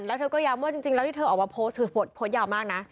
แล้วเธอก็ย้ำว่าจริงแล้วที่เธอออกมาโพสต์คือโพสต์โพสต์ยาวมากนะ